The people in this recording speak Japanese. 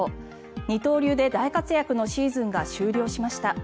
二刀流で大活躍のシーズンが終了しました。